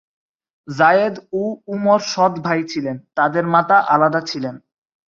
জায়েদ ও উমর সৎ ভাই ছিলেন, তাদের মাতা আলাদা ছিলেন।